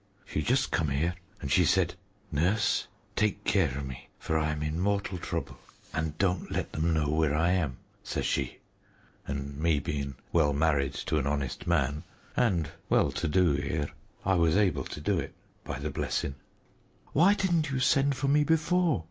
She just come 'ere an' she said, 'Nurse, take care of me, for I am in mortal trouble. And don't let them know where I am,' says she. An' me bein' well married to an honest man, and well to do here, I was able to do it, by the blessing." "Why didn't you send for me before?"